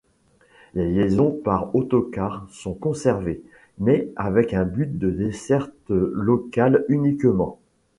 Les liaisons par autocar sont conservées, mais avec un but de desserte locale uniquement.